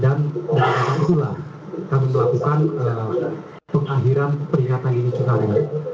dan kemudian itulah kami melakukan pengakhiran peringatan ini tsunami